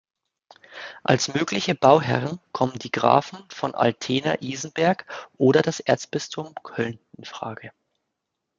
Als mögliche Bauherren kommen die Grafen von Altena-Isenberg oder das Erzbistum Köln infrage.